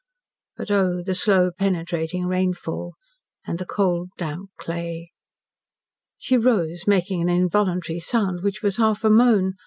But, oh, the slow, penetrating rainfall, and the cold damp clay! She rose, making an involuntary sound which was half a moan.